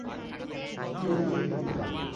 ยี่สิบ